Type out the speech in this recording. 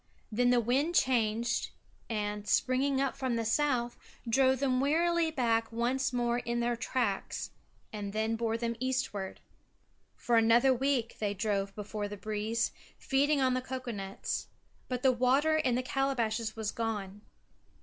Then the wind changed, and, springing up from the south, drove them wearily back once more in their tracks, and then bore them eastward. For another week they drove before the breeze, feeding on the cocoa nuts. But the water in the calabashes was gone.